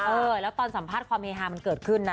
เออแล้วตอนสัมภาษณ์ความเฮฮามันเกิดขึ้นนะ